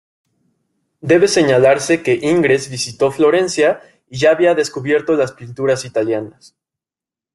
Debe señalarse que Ingres visitó Florencia y ya había descubierto las pinturas italianas.